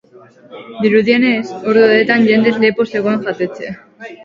Dirudienez, ordu horretan jendez lepo zegoen jatetxea.